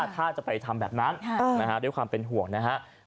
ถ้าจะไปทำแบบนั้นด้วยความเป็นห่วงนะครับ